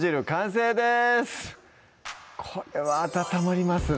これは温まりますね